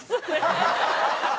ハハハハ！